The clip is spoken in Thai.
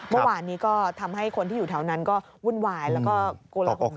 เมื่อวานนี้ก็ทำให้คนที่อยู่แถวนั้นก็วุ่นวายแล้วก็โกลหน